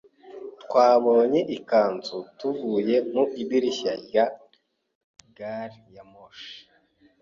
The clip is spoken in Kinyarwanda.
Twabonye akazu tuvuye mu idirishya rya gari ya moshi.